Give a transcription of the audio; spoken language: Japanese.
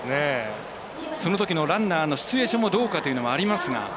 そのときのランナーのシチュエーションもどうかというのもありますから。